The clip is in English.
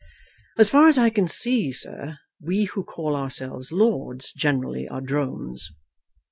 "As far as I can see, sir, we who call ourselves lords generally are drones."